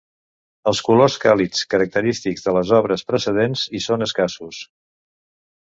Els colors càlids característics de les obres precedents hi són escassos.